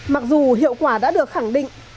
mặc dù hiệu quả đã được khẳng định